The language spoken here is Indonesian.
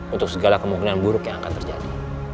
untuk segala kemungkinan buruk yang akan terjadi